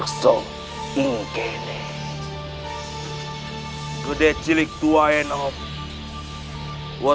kau akan bisa menentukan aku